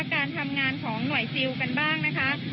การทำงานของหน่วยซิลกันบ้างนะคะ